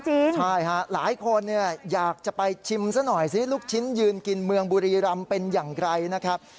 ใช่ฮะหลายคนเนี่ยอยากจะไปชิมซะหน่อยสิลูกชิ้นยืนกินเมืองบุรีรำเป็นอย่างไรนะครับ